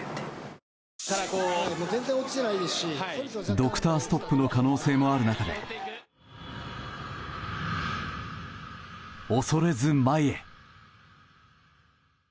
ドクターストップの可能性もある中で、恐れず前へ。